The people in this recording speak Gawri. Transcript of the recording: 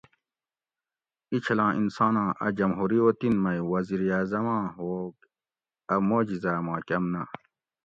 اِچھلاں انساناں اۤ جمہوری اوطِن مئ وزیراعظم آں ہوگ اۤ معجزاۤ ما کم نہ